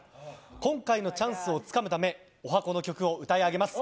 今回のチャンスをつかむため十八番の曲を歌い上げます。